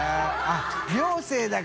あっ。